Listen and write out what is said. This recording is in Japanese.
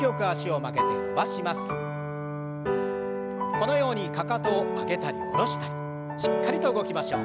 このようにかかとを上げたり下ろしたりしっかりと動きましょう。